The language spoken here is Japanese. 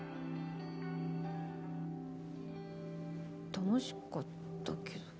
楽しかったけど。